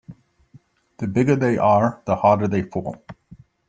The bigger they are the harder they fall.